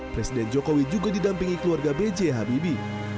presiden jokowi juga didampingi keluarga bj habibi